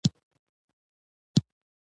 مینا یوه کلکه ماده ده.